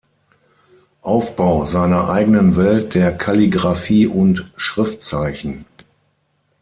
Aufbau seiner eigenen Welt der Kalligraphie und Schriftzeichen.